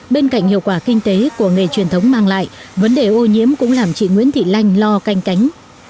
bên cạnh hiệu quả kinh tế của nghề truyền thống mang lại vấn đề ô nhiễm cũng làm chị nguyễn thị lanh lo canh cánh